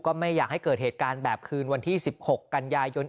ไม่อยากให้เกิดเหตุการณ์แบบคืนวันที่๑๖กันยายน